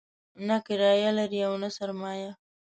نه کرايه لري او نه سرمایه.